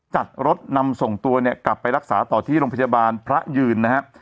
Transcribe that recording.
จัดรถนำส่งตัวเนี่ยกลับไปรักษาต่อที่โรงพยาบาลพระยืนนะครับ